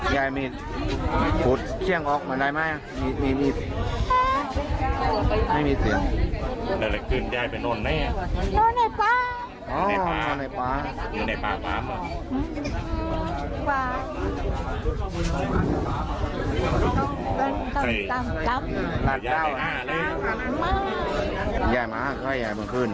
อยู่ในป๊า